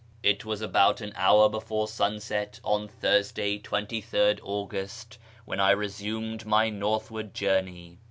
It was about an hour before sunset on Thursday, 23 rd [ugust, when I resumed my northward journey.